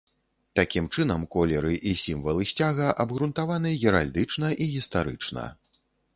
Такім чынам, колеры і сімвалы сцяга абгрунтаваны геральдычна і гістарычна.